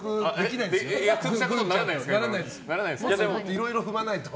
いろいろ踏まないと。